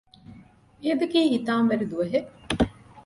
މިއަދަކީ ހިތާމަވެރި ދުވަހެއް